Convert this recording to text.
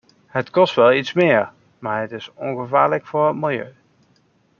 Dat kost wel iets meer, maar het is ongevaarlijk voor het milieu.